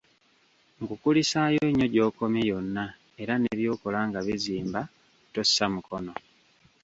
Nkukulisaayo nnyo gy'okomye yonna era ne by'okola nga bizimba, tossa mukono!